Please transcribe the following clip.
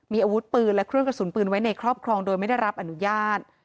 มีอาวุธปืนและเครื่องกระสุนปืนไว้ในครอบครองโดยไม่ได้รับอนุญาต